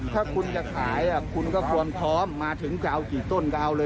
ถ้าคุณจะขายคุณก็ควรพร้อมมาถึงเจ้าสองอย่าง